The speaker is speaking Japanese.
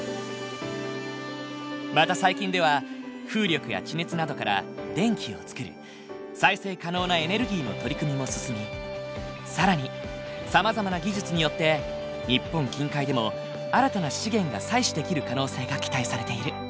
また最近では風力や地熱などから電気をつくる再生可能なエネルギーの取り組みも進み更にさまざまな技術によって日本近海でも新たな資源が採取できる可能性が期待されている。